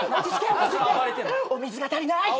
お水が足りない。